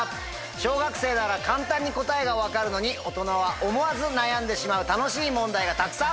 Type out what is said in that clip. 小学生なら簡単に答えが分かるのに大人は思わず悩んでしまう楽しい問題がたくさん。